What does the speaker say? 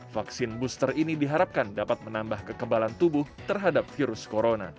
vaksin booster ini diharapkan dapat menambah kekebalan tubuh terhadap virus corona